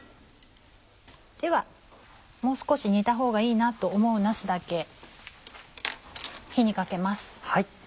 ではもう少し煮たほうがいいなと思うなすだけ火にかけます。